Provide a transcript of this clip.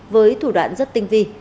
với thủ đoạn rất tinh vi